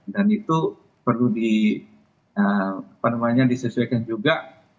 dan itu perlu disesuaikan juga